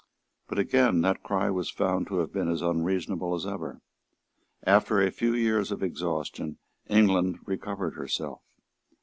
But again that cry was found to have been as unreasonable as ever. After a few years of exhaustion, England recovered herself.